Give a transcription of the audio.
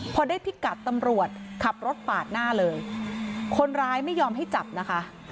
พอได้พิกัดตำรวจขับรถปาดหน้าเลยคนร้ายไม่ยอมให้จับนะคะ